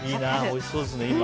おいしそうですね。